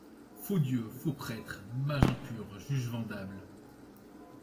Faux dieux, faux prêtres, mage impur, juge vendable